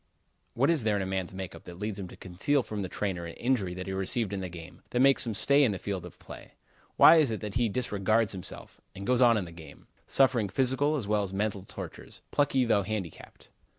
What is there in a man's make up that leads him to conceal from the trainer an injury that he receives in a game; that makes him stay in the field of play? Why is it that he disregards himself, and goes on in the game, suffering physical as well as mental tortures, plucky though handicapped?